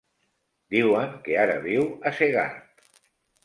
Diuen que ara viu a Segart.